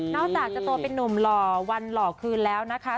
จากจะโตเป็นนุ่มหล่อวันหล่อคืนแล้วนะคะ